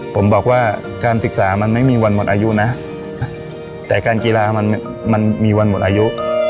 ผมบอกว่าการศึกษามันไม่มีวันหมดอายุนะแต่การกีฬามันมีวันหมดอายุ